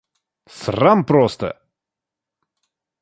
Срам просто!